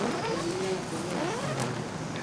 Venim de la Pobla de Cérvoles.